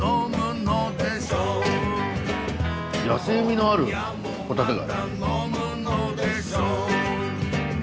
野性味のあるホタテ貝。